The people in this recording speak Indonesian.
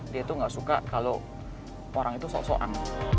dia tuh gak suka kalau orang itu so so an